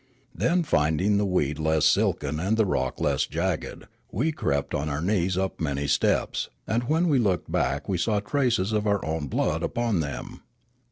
Then, finding the weed less silken and the rock less jagged, we crept on our knees up manj^ steps ; and when we looked back we saw traces of our own blood upon them.